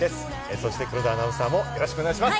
そして黒田アナウンサーもよろしくお願いします。